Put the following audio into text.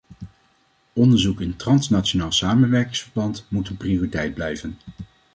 Onderzoek in transnationaal samenwerkingsverband moet een prioriteit blijven.